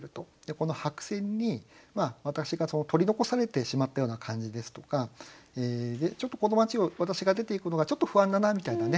この白線に私が取り残されてしまったような感じですとかちょっとこの町を私が出て行くのがちょっと不安だなみたいなね